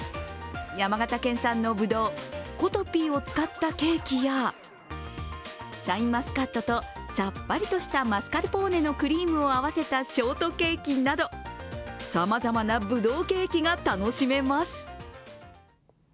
山形県産のぶどう、コトピーを使ったケーキやシャインマスカットとさっぱりとしたマスカルポーネのクリームを合わせたショートケーキなどさまざまなぶどうケーキが楽しめます。